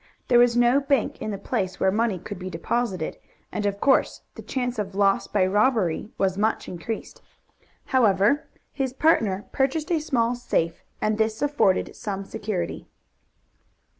There was no bank in the place where money could be deposited, and of course the chance of loss by robbery was much increased. However, his partner purchased a small safe, and this afforded some security.